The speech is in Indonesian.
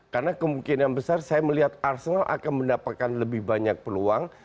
karena kemungkinan besar saya melihat arsenal akan mendapatkan lebih banyak peluang